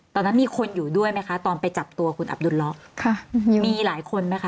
ตอนนั้นมีคนอยู่ด้วยไหมคะตอนไปจับตัวคุณอับดุลเลาะค่ะมีหลายคนไหมคะ